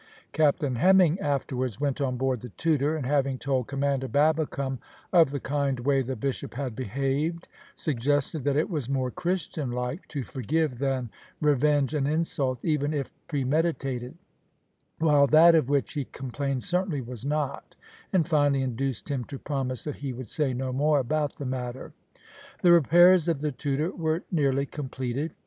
Captain Hemming afterwards went on board the Tudor, and having told Commander Babbicome of the kind way the bishop had behaved, suggested that it was more Christian like to forgive than revenge an insult even if premeditated, while that of which he complained certainly was not, and finally induced him to promise that he would say no more about the matter. The repairs of the Tudor were nearly completed.